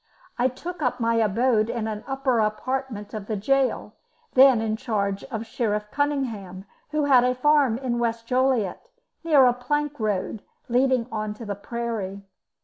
I took up my abode in an upper apartment of the gaol, then in charge of Sheriff Cunningham, who had a farm in West Joliet, near a plank road, leading on to the prairie.